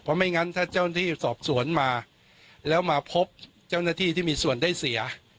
เพราะไม่งั้นถ้าเจ้าหน้าที่สอบสวนมาแล้วมาพบเจ้าหน้าที่ที่มีส่วนได้เสีย